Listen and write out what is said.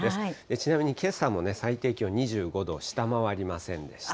ちなみにけさも最低気温２５度を下回りませんでした。